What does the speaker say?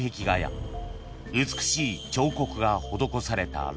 ［美しい彫刻が施された］